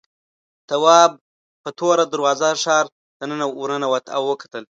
تواب په توره دروازه ښار ته ورننوت او وکتل.